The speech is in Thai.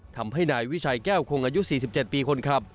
ทำให้นายวิชัยแก้วคงอายุ๔๗ปีคนขับ